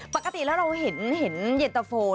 ปกติแล้วเราเห็นเย็นตะโฟ